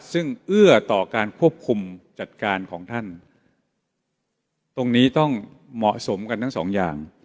ซึ่งเอื้อต่อการควบคุมจัดการของท่านตรงนี้ต้องเหมาะสมกันทั้งสองอย่าง